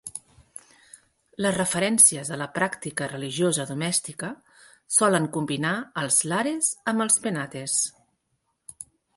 Les referències a la pràctica religiosa domèstica solen combinar els Lares amb els Penates.